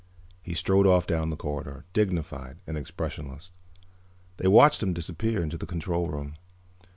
He strode off down the corridor, dignified and expressionless. They watched him disappear into the control room.